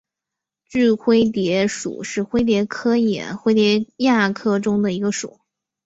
锯灰蝶属是灰蝶科眼灰蝶亚科中的一个属。